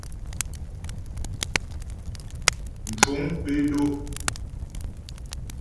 Mcuŋ pé dó.